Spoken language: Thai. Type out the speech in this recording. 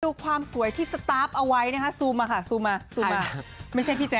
ดูความสวยที่สตาร์ฟเอาไว้นะคะซูมมาค่ะซูมมาซูมมาไม่ใช่พี่แจ